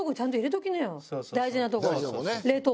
大事なとこ。